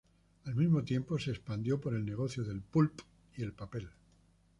Al mismo tiempo se expandió por el negocio del pulp y el papel.